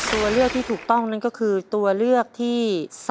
ตัวเลือกที่ถูกต้องนั่นก็คือตัวเลือกที่๓